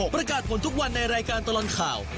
ประกาศผลทุกวันในรายการตลอดข่าว